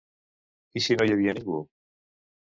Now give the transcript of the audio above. I si no hi havia ningú?